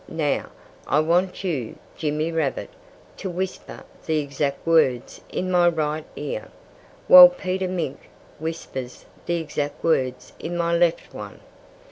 Now, I want you, Jimmy Rabbit, to whisper the exact words in my right ear, while Peter Mink whispers the exact words in my left one.